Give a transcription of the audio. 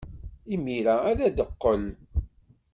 Imir-a ad d-teqqel.